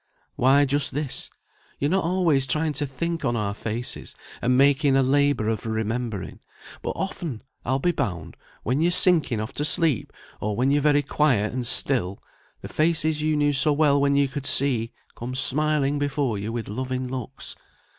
"Why, just this. You're not always trying to think on our faces, and making a labour of remembering; but often, I'll be bound, when you're sinking off to sleep, or when you're very quiet and still, the faces you knew so well when you could see, come smiling before you with loving looks.